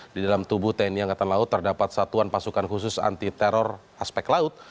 di dalam tubuh tni angkatan laut terdapat satuan pasukan khusus anti teror aspek laut